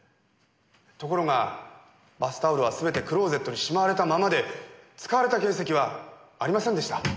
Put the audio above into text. ところがバスタオルは全てクローゼットにしまわれたままで使われた形跡はありませんでした。